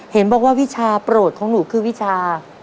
เห็นบอกว่าวิชาโปรดของหนูคือวิชา